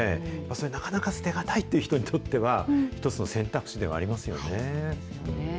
それ、なかなか捨てがたいっていう人にとっては、１つの選択肢ではありますよね。